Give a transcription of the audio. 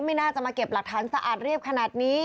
ไม่น่าจะมาเก็บหลักฐานสะอาดเรียบขนาดนี้